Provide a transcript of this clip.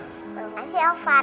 selamat ulang tahun lovan